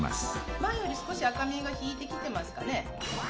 前より少し赤みが引いてきてますかね？